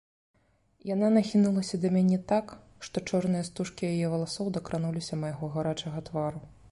Яна нахінулася да мяне так, што чорныя стужкі яе валасоў дакрануліся майго гарачага твару.